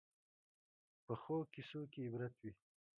پخو کیسو کې عبرت وي